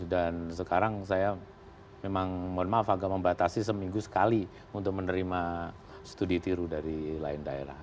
dan sekarang saya memang mohon maaf agak membatasi seminggu sekali untuk menerima studi tiru dari lain daerah